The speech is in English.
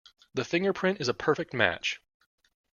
The fingerprint is a perfect match.